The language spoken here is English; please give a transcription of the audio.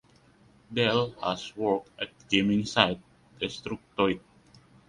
Dale has worked at gaming site "Destructoid".